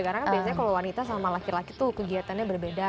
karena kan biasanya kalau wanita sama laki laki tuh kegiatannya berbeda